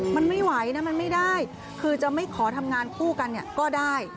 มันไม่ไหวนะมันไม่ได้คือจะไม่ขอทำงานคู่กันเนี่ยก็ได้